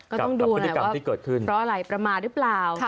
ก็ต้องดูนะว่าเพราะอะไรประมาณรึเปล่า